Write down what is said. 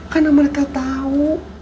kan mereka tahu